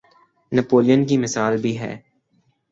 نپولین کی مثال بھی ہے۔